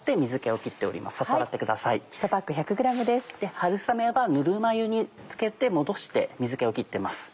春雨はぬるま湯に漬けて戻して水気を切ってます。